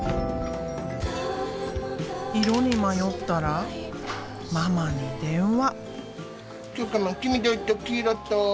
色に迷ったらママに電話。